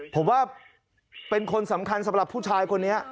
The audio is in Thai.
ผมว่าเป็นคนสำคัญสำหรับผู้ชายคนนี้